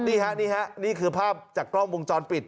นี่ฮะนี่ฮะนี่คือภาพจากกล้องวงจรปิด